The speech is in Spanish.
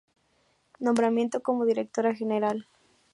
Nombramiento como directora general.